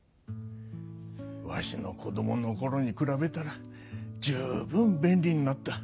わしのこどものころに比べたら十分便利になった。